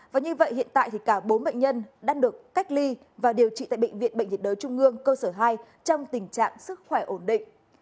và như vậy hiện tại thì cả bốn bệnh nhân đang được cách ly và điều trị tại bệnh viện bệnh nhiệt đới trung ương cơ sở hai trong tình trạng sức khỏe ổn định